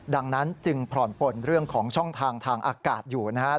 ดังนั้นจึงผ่อนปนเรื่องของช่องทางทางอากาศอยู่นะฮะ